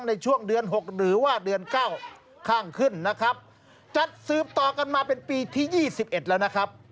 ในช่วงเดือนหกหรือว่าเดือนเก้าข้างขึ้นนะครับจัดสืบต่อกันมาเป็นปีที่๒๑แล้วนะครับ